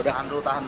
tahan dulu sob